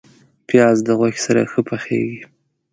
پیاز د غوښې سره ښه پخیږي